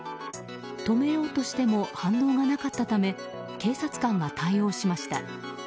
止めようとしても反応がなかったため警察官が対応しました。